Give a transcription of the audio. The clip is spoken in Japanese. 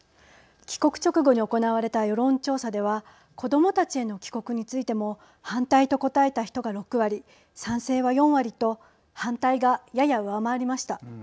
帰国直後に行われた世論調査では子どもたちへの帰国についても反対と答えた人が６割賛成は４割と反対が、やや上回りました。